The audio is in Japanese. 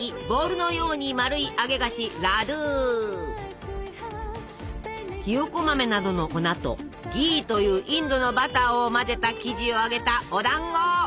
ボールのように丸い揚げ菓子ひよこ豆などの粉と「ギー」というインドのバターを混ぜた生地を揚げたお団子！